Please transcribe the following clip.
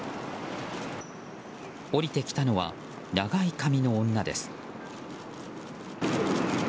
降りてきたのは長い髪の女です。